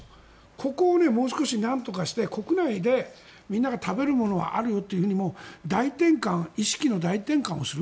ここをもう少しなんとかして国内でみんなが食べるものはあるというふうに意識の大転換をする。